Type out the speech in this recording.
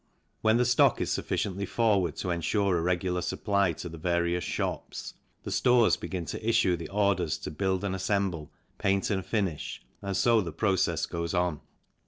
When the stock is sufficiently forward to ensure a regular supply to the various shops; the stores begin to issue the orders to build and assemble, paint and finish, and so the process goes on.